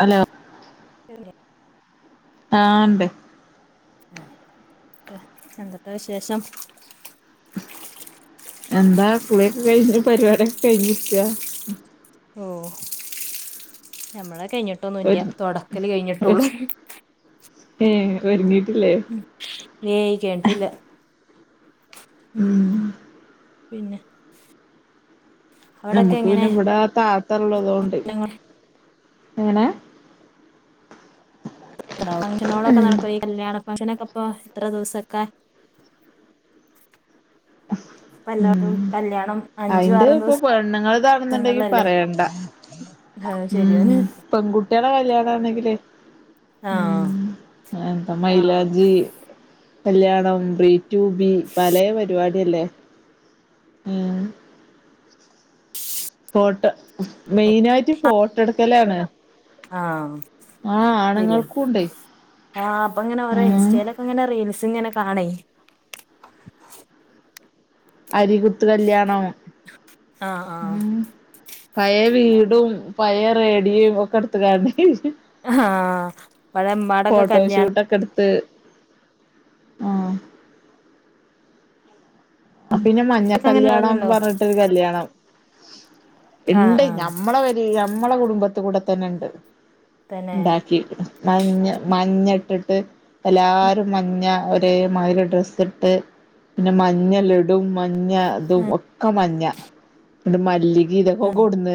Hello [unintelligible] ആണ്ട്. ഉ എന്തൊക്കെ വിശേഷം. എന്താ കുളിയൊക്കെ കഴിഞ്ഞ പരിപടൊക്കെ കഴിഞ്ഞിരിക്ക്...... ഓ നമ്മൾ കഴിഞ്ഞിട്ടൊന്നുല്ല ഒരു തുടക്കല് കഴിഞ്ഞിട്ടുള്ളു... ഏ [unintelligible] ഉ കേട്ടില്ല...... ഉം പിന്നെ അവിടൊക്കെ നമ്മക്ക് എങ്ങനെ പിന്നെ ഇവിടെ താത്തള്ളതൊണ്ട് എങ്ങനെ. ഫംഗ്ഷനോളൊക്കെ നടക്കും ഈ കല്യാണ ഫങ്ഷനൊക്കെപ്പൊ എത്ര ദിവസൊക്കെ ഇപ്പ എല്ലാവർക്കും ഉം കല്യാണം അഞ്ചും അതിന്റെ ആറും ഇപ്പൊ പെണ്ണുങ്ങൾ ഇതാണെന്നുണ്ടെങ്കി ദിവസങ്ങളിലല്ലേ പറയണ്ട അത് ഉം ശരിയാണ് പെൺകുട്ടിയാളെ കല്യാണാണെങ്കിലെ ആഹ് എന്ത മൈലാഞ്ചി കല്യാണം ബ്രീറ്റുബി പലേ പരിപാടി അല്ലേ ഉം ഫോട്ടോ മെയിന് ആയിട്ട് ഫോട്ടട്ക്കലാണ് ആഹ് ശരിയാ ആണുങ്ങൾക്കുണ്ടേ ആഹ് ഇപ്പങ്ങനെ ഓരോ ഉം ഇൻസ്റ്റയിലൊക്കെങ്ങനെ റീൽസ് ഇങ്ങനെ കാണേ അരികുത്ത് കല്യാണം ആഹ് ആഹ് ഉം പയേ വീട് ടും പയേ റേഡിയും ഒക്കെ ഇട്ത്ങ്ങാണ്ട് ആഹ് പഴേ ഇമ്മാടെയൊക്കെ കല്യാണം ത്ത് ആഹ് പിന്നെ മഞ്ഞ അങ്ങനെ കല്യാണം ഉണ്ടാവലുണ്ടോ പറഞ്ഞിട്ട് ഒരു കല്യാണം ആഹ് ഇണ്ട് ആഹ് ഞമ്മളെ പെരീ ഞമ്മളെ കുടുംബത്ത്ക്കൂടെ തന്നെണ്ട് തന്നെ ഇണ്ടാക്കി മഞ്ഞ മഞ്ഞട്ടിട്ട് എല്ലാരും മഞ്ഞ ഒരേമാതിരി ഡ്രെസ്സ് ഇട്ട് പിന്നെ മഞ്ഞ മഞ്ഞ ലഡൂ മഞ്ഞ ഇതും ഒക്കെ മഞ്ഞ ഇങ്ങട്ട് മല്ലികീം ഇതൊക്കെ ആഹ് കൊടുന്ന്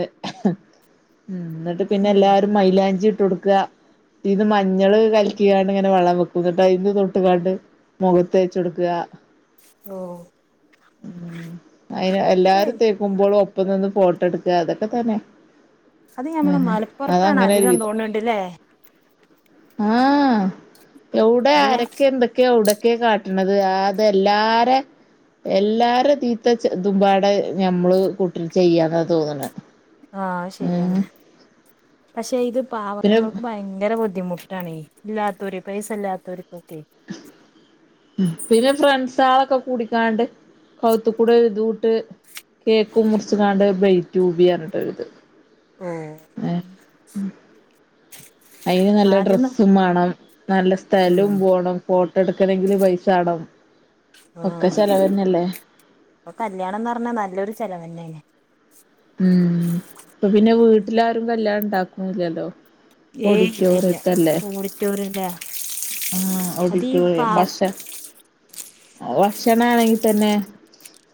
എന്നട്ട് പിന്നെ ഉം എല്ലാരും മൈലാഞ്ചി ഇട്ട് കൊടുക്ക പിന്നെ മഞ്ഞള് കലക്കീങ്ങാണ്ട് ഇങ്ങനെ വള്ളം വെക്കും ന്നട്ട് അയ്ന്ന് തൊട്ട്ങ്ങാണ്ട് മുഖത്തേച്ച് കൊടുക്ക ഓ അയിന് അതെ എല്ലാരും തേക്കുമ്പളും ഒപ്പം നിന്ന് ഫോട്ടട്ക്ക അതൊക്കെ തന്നെ അത് ഞമ്മള് ആഹ് മലപ്പുറത്താണ് അതങ്ങനെ ഒരു അധികം വിധം തോന്ന്ണ്ടല്ലേ ആഹ് എവ്ടെ ആരൊക്കെ എന്തൊക്കെയ എവ്ടെ ക്കെ കാട്ടണത് അതെല്ലാരെ എല്ലാരതീത്തച്ചതുമ്പാടെ ഞമ്മള് കൂട്ടര് ചെയ്യാന്ന തോന്നണ്. ആഹ് അത് ശരിയാണ് പക്ഷെ ഇത് പിന്നെ പാവത്തുങ്ങൾക്ക് ഭയങ്കര ബുദ്ധ് ബുദ്ധിമുട്ടാണേ ഇല്ലാത്തോര് പൈസ ഇല്ലാത്തോർക്കൊക്കെയെ പിന്നെ ഫ്രണ്ട്സാളൊക്കെ കൂടിങ്ങാണ്ട് കൗത്ത്കൂടെ ഒരിതും ഇട്ട് ട്ട് കേക്കും മുറിച്ച്ങ്ങാണ്ട് ബ്രയ്റ്റുബിയാണ് പറഞ്ഞിട്ട് ഒരിത്. ആഹ് [inaudible] അയ്ന് നല്ല ആദ്യന്ന് ഡ്രെസ്സും മാണം നല്ല ഉം സ്ഥെലോം വോണം ഫോട്ട് ട്ടെടുക്കണെങ്കില് പൈസാണം ആ ഒക്കെ ചെലവന്നല്ലേ അപ്പൊ കല്യാണംന്ന് പറഞ്ഞാ നല്ലൊരു ചെലവെന്നെയാല്ലേ ഉം ഇപ്പൊ പിന്നെ വീട്ടിലാരും കല്യാണം ഇണ്ടാക്കുണൂല്ലല്ലോ ഏയ് ഇല്ലല്ല ഓഡിറ്റോറിയം ല്ലേ? ആ ഓഡിറ്റോറിയം ഭക്ഷണ അത് ഭക്ഷണാണെങ്കി തന്നെ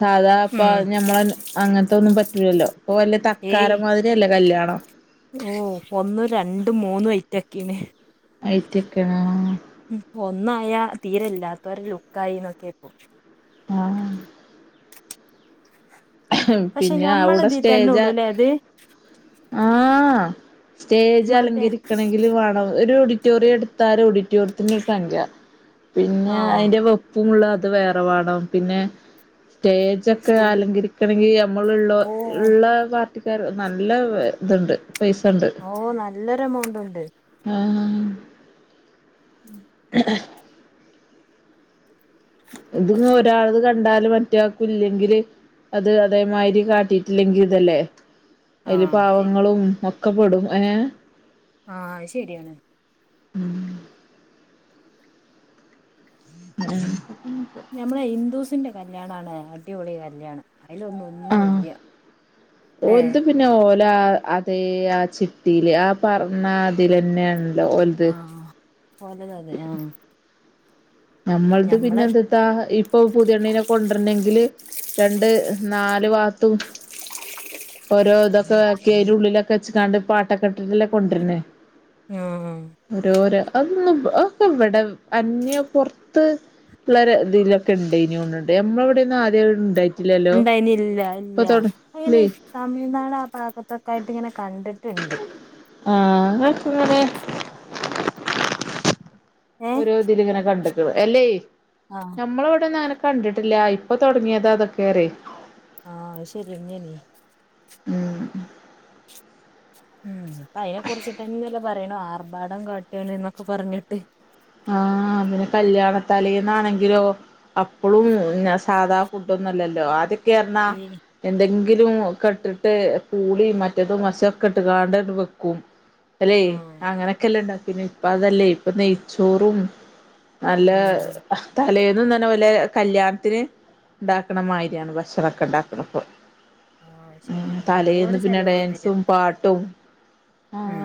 സാധാ ഇപ്പൊ ഉം ഞമ്മളെ അങ്ങനത്തൊന്നും പറ്റ് റ്റൂലല്ലോ ഇപ്പൊ വല്യ ഏയ് തക്കാരം മാതിരിയല്ലേ കല്യാണം ഓ ഒന്നും രണ്ടും മൂന്നും ഐറ്റൊക്കേണ്. ഐറ്റൊക്കെയാണ് ആ ആഹ് ഒന്നായ തീരെല്ലാത്തോരെ ലുക്കായിന്നൊക്കെ ഇപ്പൊ ആഹ് പക്ഷെ പിന്നെ ഞമ്മളെ അവിടെ ഇതീ സ്റ്റേജ തന്നൊള്ളൂല്ലേ ഇത് ആ സ്റ്റേജ് മറ്റേ അലങ്കരിക്കണെങ്കിൽ [unintelligible] ഒരു ഓഡിറ്റോറിയം എടുത്ത ഓഡിറ്റോറിയത്തിനൊരു സംഖ്യ പിന്നെ ആഹ് അതിന്റെ വെപ്പ് [unintelligible] അത് വേറെ വേണം. പിന്നെ സ്റ്റേജ ഒക്കെ സ്റ്റേ അലങ്കരിക്കണെങ്കിൽ നമ്മളള്ള ഓ ഉള്ള പാർട്ടിക്കാർ നല്ല ഇതുണ്ട് പൈസ ഉണ്ട് ഓ നല്ലൊരു എമൗണ്ട് ഉണ്ട്. ആ ആഹ ഇത് ഇന്ന് ഒരാൾടേത് കണ്ടാല് മറ്റേയാൾക്ക് ഇല്ലെങ്കില് അത് അതേമാതിരി കാട്ടിയിട്ടില്ലെങ്കിൽ ഇതല്ലേ. അയ്ല് ആഹ് ശരി പാവങ്ങളും ഒക്കെ പെടും ഏഹ് ആഹ് അഹ്ശെരിയാണ് ഉം അത, ഞമ്മള ഹിന്ദൂസിന്റെ കല്യാണാണ് അടിപൊളി കല്യാണം. അതിലന്നും ഒന്നുല്ല അല്ലേ? അതെ ആ ചിട്ടിയില് ആ പറഞ്ഞ അതിലന്നെഒന്നു ആഹ് പോലത അതെ ആഹ നമ്മൾത് പിന്നെ എന്തട്ടാ ഇപ്പൊ പുതിയണ്ണനെ കൊണ്ടുവരണെങ്കില് രണ്ട് നാല് വാത്തും ഓരോ ഇതൊക്കെ കേ ഉള്ളിലൊക്കെ വെച്ച് കണ്ട് പാട്ടൊക്കെ ഇട്ടിട്ടല്ല കൊണ്ടര്ണെ ഉം ഓരോരോ അതൊന്നും അതൊക്കെ ഇവിടെ അന്യപൊറത്ത് പത്ത് ഉള്ള ഇതിലൊക്കെ ഉണ്ട് ഇന കൊണ്ടണ്ട് നമ്മളെവിടെന്നും ആദ്യം ഉണ്ടായി ഉണ്ടായിന ഇല്ല ഇല്ല അങ്ങനെ തമിഴ്നാട് ആ ഭാഗത്തൊക്ക ആയിട്ട് ഇങ്ങനെ കണ്ട് രണ്ട് അക്കെങ്ങനെ ഏഹ് ഓരോ ഇതിലങ്ങനെ കണ്ടക്ക അല്ലേ ആഹ് നഞമ്മളവിടെ കണ്ടിട്ടില്ല ഇപ്പൊ തുടങ്ങിയത അതൊക്കെറേ. ആ ശരി എന്നങ്ങനേ. ഉം ഉം അപ്പ അതിനെ കുറിച്ചിട്ട് തന്നെ അല്ലെ പറയണ ആർഭാടം കാട്ടിയണന്നൊക്കെ പറഞ്ഞിട്ട്. ആ പിന്നെ കല്യാണത്തലന്നാണെങ്കിലോ അപ്പഴും സാധാ ഫുഡൊ ല്ലോ ആതയൊക്കെറഞ്ഞ ഉം എന്തെങ്കില ങ്കിലും കെട്ടിട്ട് പൂളി മറ്റേതും മശൊക്കെ ഇട്ട് ങ്ങാണ്ട് വെക്കും അല്ലെ ആഹ് അങ്ങനെയൊക്കെല്ല ഇണ്ടാക്കീനെ പിന്നെ ഇപ്പ അതല്ലേ ഇപ്പൊ നെയ്ച്ചോറും. നല്ല ഉം അത തലയൊന്നും തന്നെ വല കല്യാണത്തിന് ഉണ്ടാക്കണ മാതിരിയാണ് ഭക്ഷണക്കെ ഉണ്ടാക്കണപ്പോ ആഹ് ഉം ശരിയാണ് തലെന്ന് നല്ലൊരു പിന്നെ ഡാൻസും പാട്ടും. മ്മ്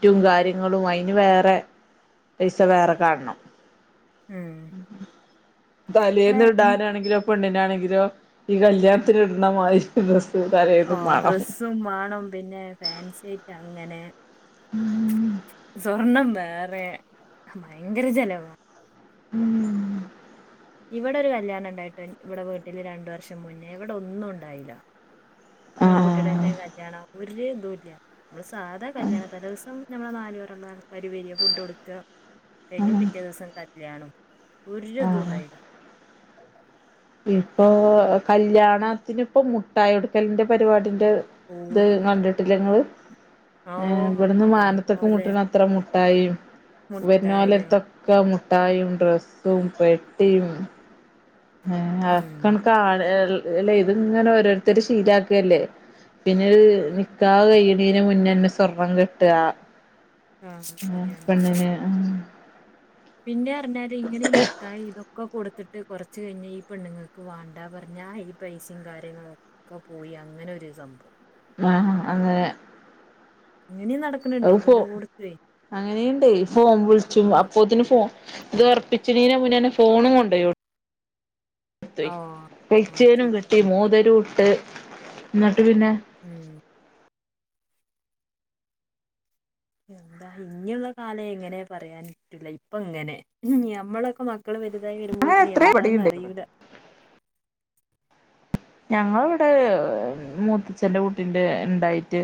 മറ്റും കാര്യങ്ങളും അതിന് വേറെ പൈസ വേറെ കാണണം. ഉം ഇവിടെ തലേന്ന് ഇടാനാണെങ്കിലോ പെണ്ണിനാണെങ്കിലോ ഈ കല്യാണത്തിന് ഇടുണ മാതിരി തലേന്നും ഓഹ് മാണം ഡ്രസ്സും വേണം പിന്നെ ഫാൻസിയായിറ്റ് അങ്ങനെ ഉം സ്വർണം വേറെ ഭയങ്കര ചെലവാ. ഉം ഇവിടെ ഒരു കല്യാണം ഉണ്ടായിട്ട് ഇവിടെ വീട്ടില് രണ്ട വർഷം മുന്നേ ഇവിടെ ഒന്നും ഉണ്ടായില്ല. ആഹ് പെൺകുട്ടിയുടെ തന്നെ കല്യാണം ഒരു തൂല്ല നമ്മള് സാധാ കല്യാണം തലെ ദിവസം നമ്മള ന ഫുഡ് കൊടുക്കുക കഴിഞ്ഞു ആഹ് പിറ്റേ ദിവസം കല്യാനോം ആഹ് ഒരുതുണ്ടായിനില്ല ഇപ്പൊ കല്യാണത്തിന് ഇപ്പൊ മുട്ടായി കൊടുക്കലിന്റെ പരിപാടി ഇ ഓ [unintelligible] ഇത് കണ്ട്ട്ടില്ലേ ഇങ്ങള് ഏഹ് ഓഹ് ഇവിടുന്ന് മാനത്തക്ക് എന്തോലെ മുട്ടണ അത്ര മുട്ടായിം മുട്ടായിയോ വെര്ണോലെടുത്തൊക്കെ മു മുട്ടായിയും ഡ്രസ്സും പെട്ടിയും ആഹ് ഉം ആക്കണ് കാണല്ലേ ഇത് ഇങ്ങനെ ഓരോരുത്തര് ശീലാക്കല്ലേ പിന്നെ ഒര് നിക്കാഹ് കയ്യണേന് മുന്നേന്നെ സ്വർണം കെട്ടാ ആഹ് ആ ശരിയാണ് പെണ്ണിന് പിന്നെ പറഞ്ഞാല് ഇങ്ങനെ മുട്ടായി ഇതൊക്ക് ഒക്കെ കൊടുത്തിട്ട് കൊറച്ച് കഴിഞ്ഞാ ഈ പെണ്ണുങ്ങൾക്ക് വേണ്ടാ പറഞ്ഞാ ഈ പൈസയും കാര്യങ്ങളും ഒക്കെ പോയാ അങ്ങനെ ഒരു സംഭവം. ആ അങ്ങനെ അങ്ങനെയും നടക്കണുണ്ട് അയ് ഫോ പലോടത്തുവേ അങ്ങനെയുണ്ട് ഫോൺ വിളിച്ചും അപ്പോത്തിന് ഫോ ഇത് ഒറപ്പിച്ചിനീനെ മുന്നേന്നെ ഫോണും കൊണ്ടുപോയി ആഹ് ആഹ് കൈച്ചേനും ശരി കെട്ടി മോതിരോം ഇട്ട് ഇന്നട്ട് എന്നിട്ട് പിന്നെ ഉം എന്താ ഇനിയുള്ള കാലം എങ്ങനെ പറയാൻ പറ്റൂല്ല ഇപ്പ ഇങ്ങനെ ഞമ്മളൊക്കെ മക്ക് മക്കള് വലുതായി അങ്ങനെ വരുമ്പോത്തിന് എത്രയോ ഇവിടെയും എന്താന്ന് ഉണ്ടായിക്കണ് അറിയൂല. ഞങ്ങള് ഇവിടെ മൂത്തച്ഛന്റെ കുട്ടീന്റെ ഇണ്ടായിട്ട്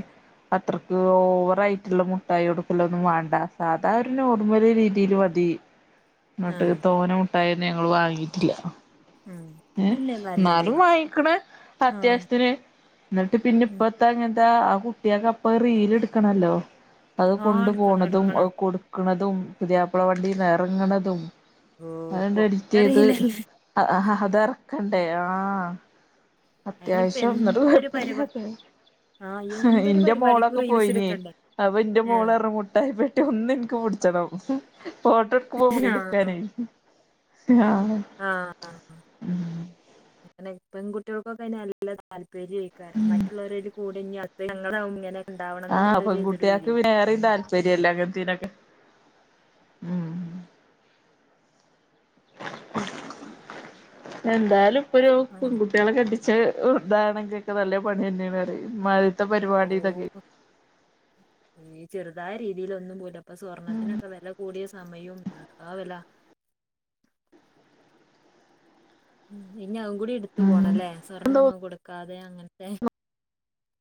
അത്രക്ക് ഓവർ ആയിട്ടുള്ള മുട്ടായി കൊടുക്കല് ഒന്നും വേണ്ട സാധാ ഒരു നോർമൽ രീതീല് മത് [unintelligible] എന്നിട്ട് ആഹ് തോന്ന മുട്ടായിയൊന്നും ഞങ്ങൾ വാങ്ങിട്ടില്ല. ഉം ഏ അതന്നെ നല്ലതേ ന്നാലും വാങ്ങിക്കണ് ആഹ് അത്യാവശ്യത്തിന് ന്നിട്ട് പിന്നെ ഉം ഇപ്പത്തെങ്ങൻ [unintelligible] ആ കുട്ടിയേക്ക് അപ്പൊ റീൽ എടുക്കണല്ലോ അത് ആഹ് കൊണ്ടു എടുക്കണം പോണതും എടുക്കണം അത് കൊടുക്ക് ക്കണതും പുതിയാപ്പള വണ്ടീന്ന് എറങ്ങണതും ഓഹ് അതെന്ന്ട്ട് എഡിറ്റ് ഇപ്പൊക്കെ ചെയ്ത് അറിയില്ലല്ലേ അത് എറക്കണ്ടേ ആഹ് അയിനിപ്പോ അത്യാവശ്യം ഇന്നിട്ട് എന്തൊരു പരിപാടി കുഴപ്പയില്ല ആഹ് എന്തൊരു ഇന്റെ പരിപാടിക്കും മോളൊക്കെ റീൽസ് പോയിനിയേ എടുക്കണ്ടേ അപ്പം എന്റെ മോള് പറഞ്ഞ് മുട്ടായി പെട്ടി ഒന്ന് എനിക്ക് പുടിച്ചണം ഫോട്ടോ എടുക്കുമ്പം മുന്നില് ആഹ് നിക്കാനെ ആ ആ ഉം അങ്ങനെ പെൺകുട്ട്യോൾക്കൊക്കെ നല്ല താല്പര്യയ്ക്കാരം മറ്റുള്ളോര് അയ്ല് കൂടി ഞ്ഞ് അട്ത്ത ഞങ്ങളാകും ങ്ങനെ ആഹ് പെൺകുട്ട്യേക്ക് വേറേം താല്പര്യല്ലെ അങ്ങൻത്തേനൊക്കെ ആഹ് എന്തായാലും ഇപ്പൊ ഒരു അങ്ങനെ പെൺകുട്ട്യേളെ കെട്ടിച്ച താണെങ്കിക്കൊക്കെ നല്ല പണിയെന്യേണ് അറി ഇമ്മാതിരിത്തെ പരിപാടി തൊക്കെ പോവും ഈ ചെറ്തായ രീതിലൊന്നും പോല അപ്പൊ സ്വർണ്ണത്തിനൊക്കെ വെല കൂടിയ സമയും എന്താ വെല. ഇഞ്ഞ് അതും കൂടി ഇട്ത്തു ഉം പോണല്ലേ സ്വർണൊന്നും കൊടുക്കാതെ അങ്ങൻത്തെ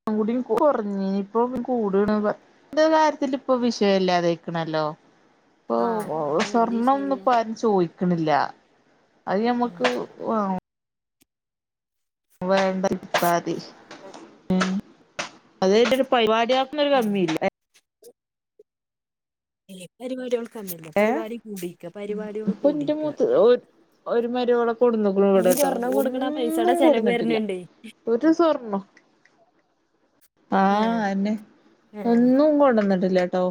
കൂടിം കൊർഞ്ഞീനി ഇപ്പൊ കൂട്ണ [unintelligible] കാര്യത്തി ഇപ്പ വിഷയല്ലാതായ്ക്ക്ണല്ലോ ഇപ്പൊ ആഹ് അത് വലിയ സ്വർണംന്നും വിഷയല്ല ഇപ്പോ ആരും ചോയ്ക്ക്ണില്ല. അത് ഉം ഞമ്മക്ക് വേണ്ട ഇട്ടാതി ഉം അത് കഴിഞ്ഞിട്ട് ഒരു പരുവാടി [unintelligible] ന്നൊരു ഉം കമ്മിയില്ല. ഏഹ് ചെലെ പരിവാടികൾക്ക് അങ്ങന്നെ ഏ പരിവാടി കൂടീക്ക പരിവാട്യള് ഇപ്പൊ എന്റെ കൂടീക്ക മൂത്ത് ഒരു മരോളെ കൊട്ന്നുക്ക്ണ് ഇവടെട്ടോ കൊടുക്കണ പൈസയുടെ ഒന്നും ചെലവ് കൊട്ന്നിട്ടില്ല. വരുന്നുണ്ടേ ഒരു സ്വർണ്ണും ആ ആഹ് അന്നെ ആഹ് ഒന്നും കൊണ്ട്ന്നിട്ടി ഇല്ലാട്ടോ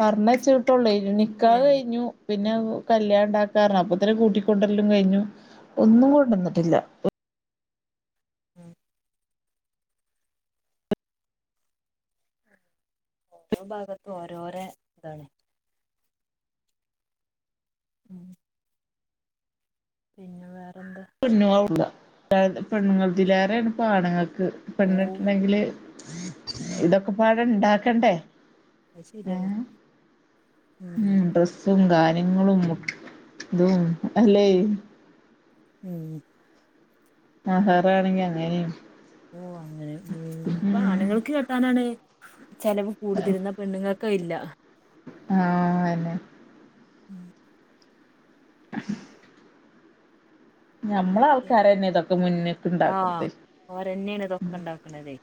പറഞ്ഞ വെച്ചെട്ടുള്ളേ നിക്കാഹ് ആഹ് കഴിഞ്ഞു പിന്നെ കല്യാണം ഇണ്ടാക്കാര അപ്പ തന്നെ കൂട്ടിക്കൊണ്ടല്ലും കഴിഞ്ഞു ഒന്നും കൊണ്ടുവന്നിട്ടില്ല ഓരോ ഭാഗത്തുന്ന് ഓരോരോ ഇതാണ് ഉം പിന്നെ വേറെ [unintelligible] പെണ്ണുങ്ങതിലേറൊണ് ഇപ്പം ആണുങ്ങൾക്ക് ഓ പെണ്ണിട്ടണണ്ടെങ്കില് ഇതൊക്കെ പാട ഇണ്ടാക്കണ്ടേ അത് ശരിയാണ് ഏഹ് ഉം നിങ്ങളും ഇതും അല്ലെ ഉം മെഹറാണെങ്കി അങ്ങനെ ഓ അങ്ങനെ ഇപ്പൊ ആണുങ്ങൾക്ക് കെട്ടാനാണ് ചെലവ് കൂടുതല് എന്നാ പെണ്ണുങ്ങൾ ക്കയില്ല ആഹ് അല്ലേ ഉം ഞമ്മളെ ആൾക്കാരന്നെ ഇതൊക്കെ മുന്ന്ക്ക് ആഹ് ഇണ്ടാക്കണത് അവരെന്നെയാണ് ഇതൊക്ക ഇണ്ടാക്കണതേ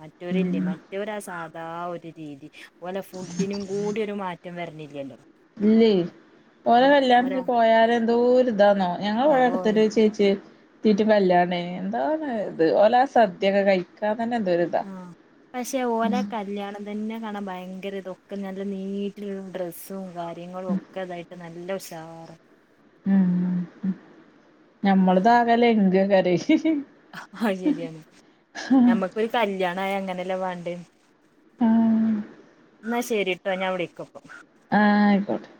മറ്റവരില്ലേ ഉം മറ്റവരാ സാം ന്താ ഒരു രീതി ഓലെ ഫുഡിനും കൂടി ഒരു മാറ്റം വരണില്ലല്ലോ ഇല്ലേ ഓര ഓരാ കല്യാണത്തിന് പോയാല് എന്തോര ഇതാന്നോ ഞങ്ങള് ഇവിടെ ഓയ് അടുത്തൊരു ചേച്ചി തീറ്റ് കല്യാണേ എന്തോന്ന് ഇത് ഓലാ സദ്ധ്യൊക്കെ കഴിക്കാ ആ പക്ഷെ ഓല കല്യാണം തന്നെ കാണ ഭയ ഭയങ്കര ഇതൊക്കെ നല്ല നീട്ട ഡ്രസ്സും കാര്യങ്ങളും ഒക്കെ അതായിട്ട് നല്ല ഉഷാറ ഉം ഞമ്മളതാകല്ലെ എ ആഹ് ശരിയാണ് ഞമ്മക്കൊരു കല്യാണ ആയ അങ്ങനെല്ല വേണ്ടേ ആഹ് എന്നാ ശരിട്ടോ ഞാൻ വിളിക്കാ ഇപ്പോ ആഹ് ആയിക്കോട്ടെ